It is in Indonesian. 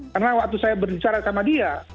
karena waktu saya berbicara sama dia